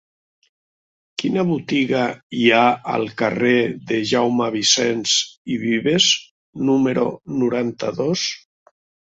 Quina botiga hi ha al carrer de Jaume Vicens i Vives número noranta-dos?